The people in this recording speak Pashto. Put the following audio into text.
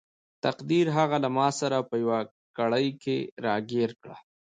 تقدیر هغه له ماسره په یوه کړۍ کې راګیر کړ.